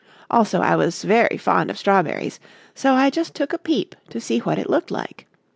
Also I was very fond of strawberries, so I took just a peep to see what it looked like.